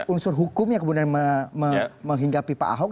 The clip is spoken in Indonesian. unsur hukum yang kemudian menghinggapi pak ahok